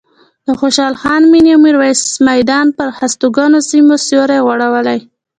د خوشحال خان مېنې او میرویس میدان پر هستوګنو سیمو سیوری غوړولی.